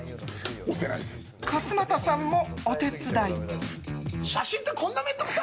勝俣さんもお手伝い。